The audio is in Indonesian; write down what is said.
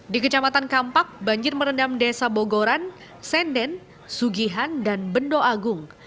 di kecamatan kampak banjir merendam desa bogoran senden sugihan dan bendoagung